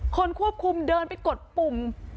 คนควบคุมเดินไปกดปุ่ม